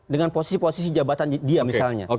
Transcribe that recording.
dengan posisi posisi jabatan dia misalnya